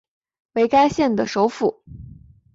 为该县的首府。